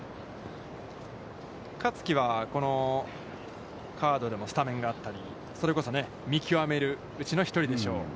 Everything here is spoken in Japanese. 香月は、このカードでもスタメンがあったりそれこそ、見きわめるうちの１人でしょう。